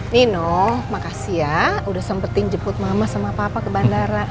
nino makasih ya udah sempetin jemput mama sama papa ke bandara